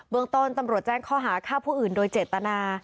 เมืองต้นตำรวจแจ้งข้อหาฆ่าผู้อื่นโดยเจตนา